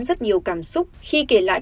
rất nhiều cảm xúc khi kể lại